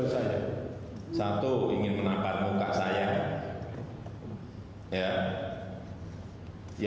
pada saat ini saya sudah berpikir itu adalah satu periode yang sangat penting untuk mencari muka saya